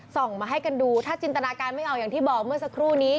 ส่งมาให้กันดูถ้าจินตนาการไม่ออกอย่างที่บอกเมื่อสักครู่นี้